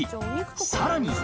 さらに。